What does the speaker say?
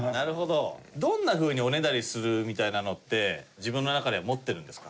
どんなふうにおねだりするみたいなのって自分の中で持ってるんですか？